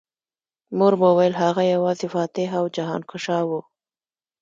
مور به ویل هغه یوازې فاتح او جهانګشا و